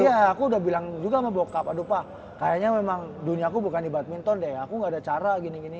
iya aku udah bilang juga sama bokap aduh pak kayaknya memang duniaku bukan di badminton deh aku gak ada cara gini gini